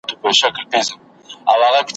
چي پخپله په مشکل کي ګرفتار وي ,